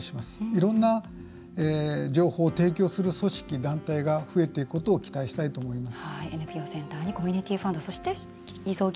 いろんな情報を提供する組織や団体が増えていることを続いては、こちらです。